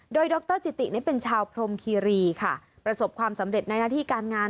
โดยดรจิตินี่เป็นชาวพรมคีรีค่ะประสบความสำเร็จในหน้าที่การงาน